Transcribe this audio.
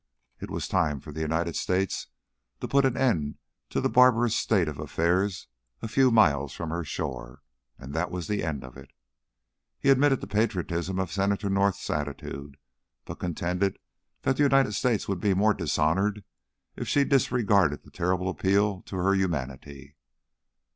It was time for the United States to put an end to the barbarous state of affairs a few miles from her shores, and that was the end of it. He admitted the patriotism of Senator North's attitude, but contended that the United States would be more dishonoured if she disregarded this terrible appeal to her humanity.